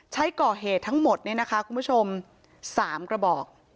ใช้ก่อเหตุทั้งหมดเนี่ยนะคะคุณผู้ชม๓กระบอก